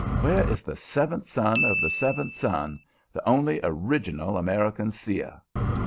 Where is the seventh son of the seventh son the only original American seer?"